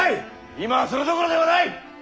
今はそれどころではない！